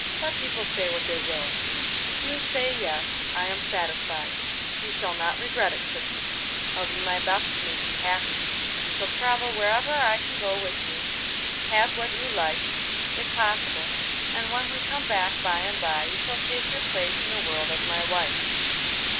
Let people say what they will, if you say yes I am satisfied. You shall not regret it, Christie; I'll do my best to make you happy; you shall travel wherever I can go with you, have what you like, if possible, and when we come back by and by, you shall take your place in the world as my wife.